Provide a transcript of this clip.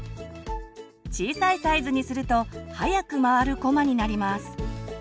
小さいサイズにすると速く回るこまになります。